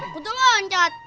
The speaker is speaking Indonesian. aku tuh loncat